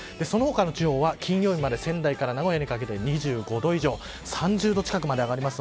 その他の地方は金曜日まで仙台から名古屋にかけて２５度以上３０度近くまで上がります。